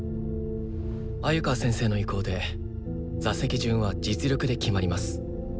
鮎川先生の意向で座席順は実力で決まります。